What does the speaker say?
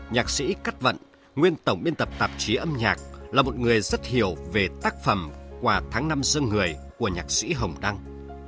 nhạc sĩ cắt vận nguyên tổng biên tập tạp chí âm nhạc là một người rất hiểu về tác phẩm quả tháng năm dân người của nhạc sĩ hồng đăng